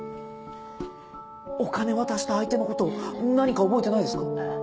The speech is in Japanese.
お金渡した相手の事何か覚えてないですか？